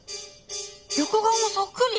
横顔もそっくり！